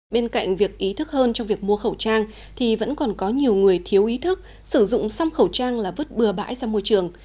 bên cạnh việc ý thức hơn trong việc mua khẩu trang thì vẫn còn có nhiều người thiếu ý thức sử dụng xăm khẩu trang là vứt bừa bãi ra môi trường